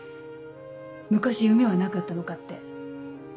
昔夢はなかったのかって。